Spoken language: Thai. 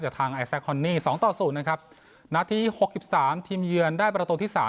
จากทางสองต่อศูนย์นะครับนาทีหกสิบสามทีมเยือนได้ประตูที่สาม